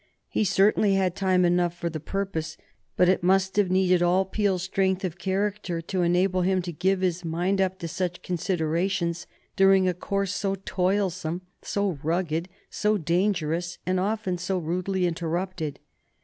He certainly had time enough for the purpose, but it must have needed all Peel's strength of character to enable him to give his mind up to such considerations during a course so toilsome, so rugged, so dangerous, and often so rudely interrupted.